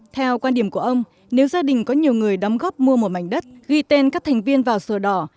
theo quan điểm của ông nếu gia đình có nhiều người đóng góp mua một mảnh đất ghi tên các thành viên vào sổ đỏ